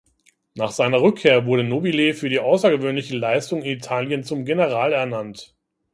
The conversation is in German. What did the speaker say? Nach seiner Rückkehr wurde Nobile für die außergewöhnliche Leistung in Italien zum General ernannt.